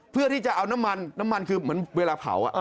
เพื่อที่จะเอาน้ำมันน้ำมันคือเหมือนเวลาเผา